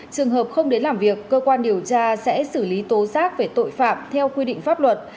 trường hợp không đến làm việc cơ quan điều tra sẽ xử lý tố giác về tội phạm theo quy định pháp luật